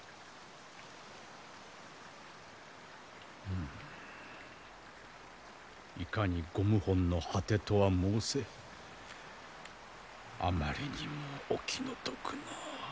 うむいかにご謀反の果てとは申せあまりにもお気の毒な。